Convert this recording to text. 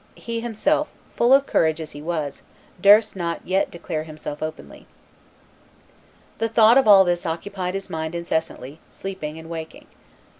He himself, full of courage as he was, durst not yet declare himself openly. The thought of all this occupied his mind incessantly, sleeping and waking.